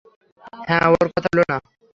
হ্যাঁ, ওর কথা ভুল না।